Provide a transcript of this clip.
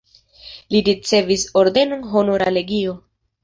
Li ricevis ordenon Honora legio.